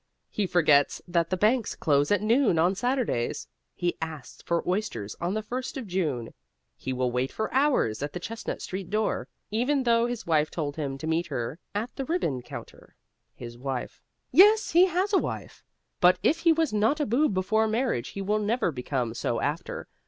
He forgets that the banks close at noon on Saturdays. He asks for oysters on the first of June. He will wait for hours at the Chestnut Street door, even though his wife told him to meet her at the ribbon counter. HIS WIFE Yes, he has a wife. But if he was not a Boob before marriage he will never become so after.